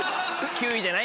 ９位じゃない？